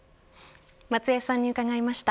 松江さんに伺いました。